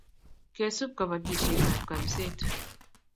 Kesup kapatisiet ab kapiset